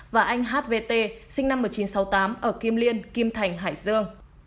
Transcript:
và anh h v t sinh năm một nghìn chín trăm sáu mươi tám ở kim liên kim thành hải dương